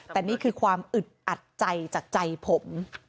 แต่นี่คือความอึดอัดใจจากใจผม